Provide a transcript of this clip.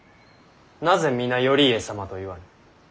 なぜ皆頼家様と言わぬ。